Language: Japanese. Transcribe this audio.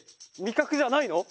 かくじゃないの？